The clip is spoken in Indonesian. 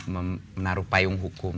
menaruh payung hukum